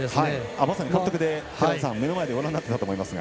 まさに監督で、目の前でご覧になっていたと思いますが。